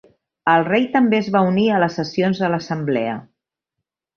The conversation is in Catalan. El rei també es va unir a les sessions de l'assemblea.